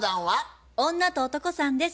女と男さんです。